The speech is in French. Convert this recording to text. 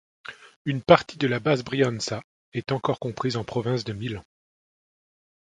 Une partie de la basse Brianza est encore comprise en Province de Milan.